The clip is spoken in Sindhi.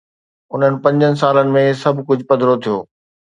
انهن پنجن سالن ۾، سڀ ڪجهه پڌرو ٿيو.